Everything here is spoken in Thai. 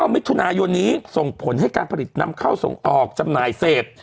มิถุนายนนี้ส่งผลให้การผลิตนำเข้าส่งออกจำหน่ายเสพ